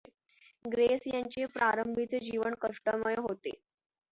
Grace यांचे प्रारंभीचे जीवन कष्टमय होते.